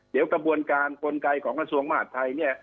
เดี๋ยวกระบวนการกลไกของกระทรวงมหาดไทยเนี่ย